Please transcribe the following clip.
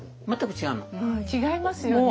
違いますよね。